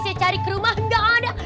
saya cari ke rumah gak ada